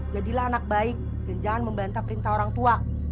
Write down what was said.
jadilah anak baik dan jangan membantah perintah orang tua